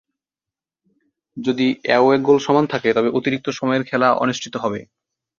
যদি away goal সমান থাকে, তবে অতিরিক্ত সময়ের খেলা অনুষ্ঠিত হবে।